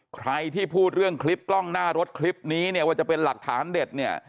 ใครที่พูดเรื่องคลิปกล้องหน้ารถคลิปนี้เนี่ยว่าจะเป็นหลักฐานเด็ดเนี่ย